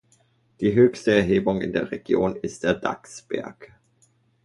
Die höchste Erhebung in der Region ist der Dachs-Berg.